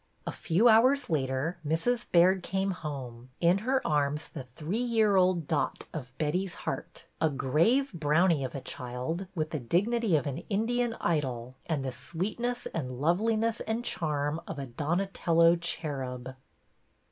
A few hours later Mrs. Baird came home, in her arms the three year old Dot of Betty's heart, a grave brownie of a child, with the dignity of an Indian idol, and the sweetness and loveliness and charm of a Donatello cherub.